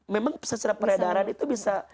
memang secara peredaran itu bisa